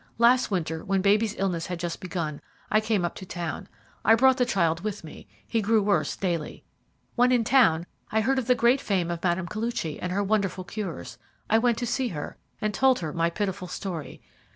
Last winter, when baby's illness had just begun, I came up to town. I brought the child with me he grew worse daily. When in town, I heard of the great fame of Mme. Koluchy and her wonderful cures. I went to see her, and told her my pitiful story.